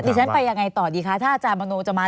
ฉันไปยังไงต่อดีคะถ้าอาจารย์มโนจะมา